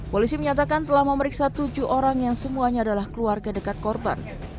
polisi menyatakan telah memeriksa tujuh orang yang semuanya adalah keluarga dekat korban